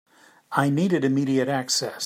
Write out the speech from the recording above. I needed immediate access.